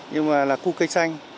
nhưng mà là khu cây xanh